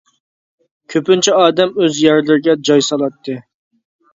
كۆپىنچە ئادەم ئۆز يەرلىرىگە جاي سالاتتى.